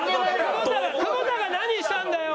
久保田が何したんだよ！